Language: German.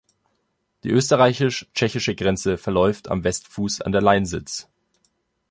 Die österreichisch-tschechische Grenze verläuft am Westfuß an der Lainsitz.